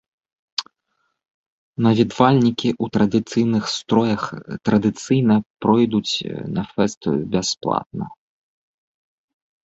Наведвальнікі ў традыцыйных строях традыцыйна пройдуць на фэст бясплатна.